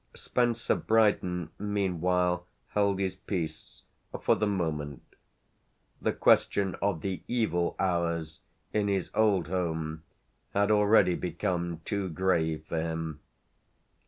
Spencer Brydon meanwhile held his peace for the moment; the question of the "evil" hours in his old home had already become too grave for him.